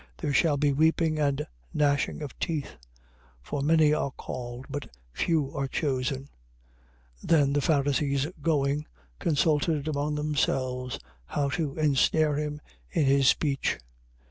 There shall be weeping and gnashing of teeth. 22:14. For many are called, but few are chosen. 22:15. Then the Pharisees going, consulted among themselves how to insnare him in his speech.